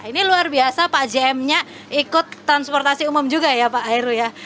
ini luar biasa pak jm nya ikut transportasi umum juga ya pak heru ya